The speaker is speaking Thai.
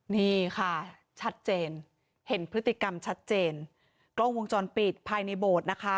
นี่ค่ะชัดเจนเห็นพฤติกรรมชัดเจนกล้องวงจรปิดภายในโบสถ์นะคะ